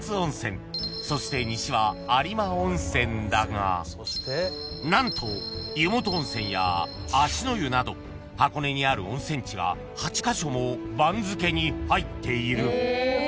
［そして西は有馬温泉だが何と湯本温泉や芦之湯など箱根にある温泉地が８カ所も番付に入っている］